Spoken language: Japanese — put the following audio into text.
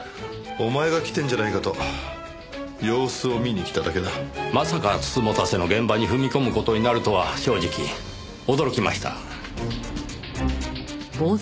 お前が来てるんじゃないかと様子を見に来ただけだ。まさか美人局の現場に踏み込む事になるとは正直驚きました。